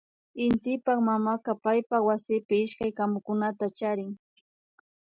Intipak mamaka paypak wasipi ishkay kamukunata charin